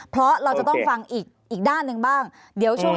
ภารกิจสรรค์ภารกิจสรรค์